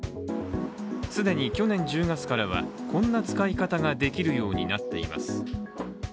既に去年１０月からはこんな使い方ができるようになっています。